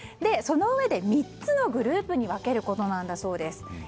そのうえで３つのグループに分けることなんだそうです。